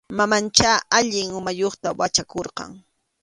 Mamanchá allin umayuqta wachakurqan.